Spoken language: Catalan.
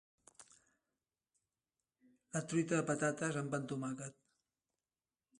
La truita de patates amb pà amb tomàquet.